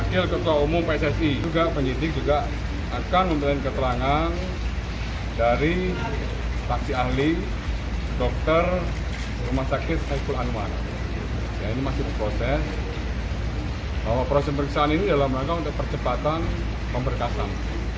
proses periksaan ini dalam langkah untuk percepatan pemberkasan